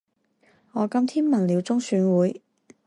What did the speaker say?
我今天問了中選會